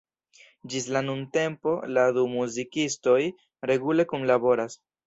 Ĝis la nuntempo la du muzikistoj regule kunlaboras.